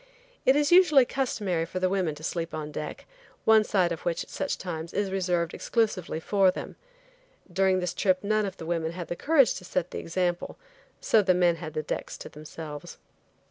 It is usually customary for the women to sleep on deck, one side of which, at such times, is reserved exclusively for them. During this trip none of the women had the courage to set the example, so the men had the decks to themselves.